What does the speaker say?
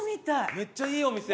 めっちゃいいお店。